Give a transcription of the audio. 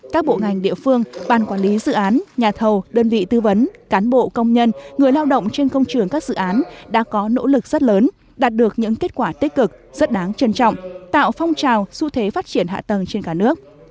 các bộ ngành địa phương ban quản lý dự án nhà thầu đơn vị tư vấn cán bộ công nhân người lao động trên công trường các dự án đã có nỗ lực rất lớn đạt được những kết quả tích cực rất đáng trân trọng tạo phong trào xu thế phát triển hạ tầng trên cả nước